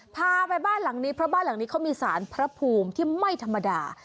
พาไปบ้านหลังนี้เพราะบ้านหลังนี้เขามีสารพระภูมิที่ไม่ธรรมดา